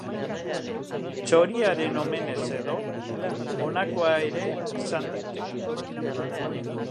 Txoriaren omenez-edo, honakoa ere izan daiteke.